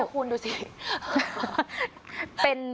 นี่คุณดูสิ